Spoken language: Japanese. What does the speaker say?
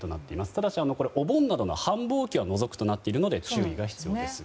ただし、お盆などの繁忙期は除くとなっているので注意が必要です。